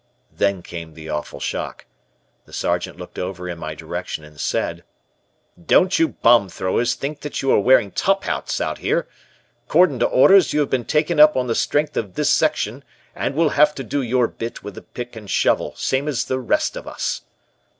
Then came an awful shock. The Sergeant looked over in my direction and said: "Don't you bomb throwers think that you are wearing top hats out here. 'Cordin' to orders you've been taken up on the strength of this section, and will have to do your bit with the pick and shovel, same as the rest of us."